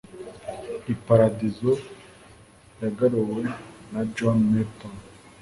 Iparadizo yagaruwe na John Milton